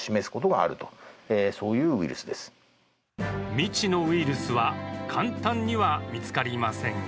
未知のウイルスは簡単には見つかりませんが